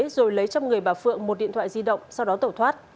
rồi lấy trong người bà phượng một điện thoại di động sau đó tẩu thoát